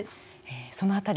その辺り